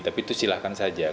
tapi itu silahkan saja